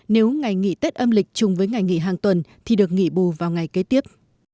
nếu ngày nghỉ tết âm lịch chung với ngày nghỉ hàng tuần thì được nghỉ bù vào ngày kế tiếp